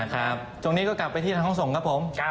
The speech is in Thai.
ตรงนี้ก็กลับไปที่ทางห้องส่งครับผม